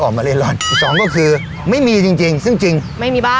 ออกมาเล่นร่อนอีกสองก็คือไม่มีจริงจริงซึ่งจริงไม่มีบ้าน